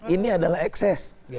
ini adalah ekses